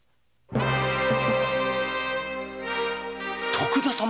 徳田様